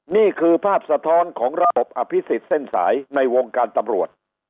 นี่คือภาพสะท้อนของระบบอภิษฎเส้นสายในวงการตำรวจ